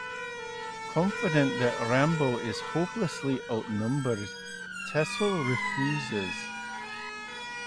Confident that Rambo is hopelessly outnumbered, Teasle refuses.